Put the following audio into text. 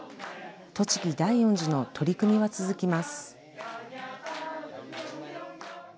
栃木大恩寺の取り組みは続きます。